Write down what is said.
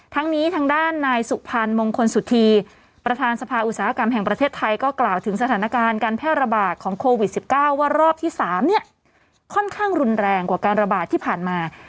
ทั้งนี้ทางด้านนายสุพรรณมงคลสุธีประธานสภาอุตสาหกรรมแห่งประเทศไทยก็กล่าวถึงสถานการณ์การแพร่ระบาดของโควิด๑๙ว่ารอบที่๓เนี่ยค่อนข้างรุนแรงกว่าการระบาดที่ผ่านมา